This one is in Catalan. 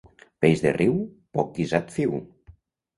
Peix de riu, poc guisat fiu.